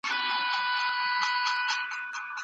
که نجونې انصاف ولري نو بې عدالتي به نه وي.